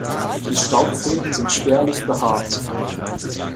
Die Staubfäden sind spärlich behaart.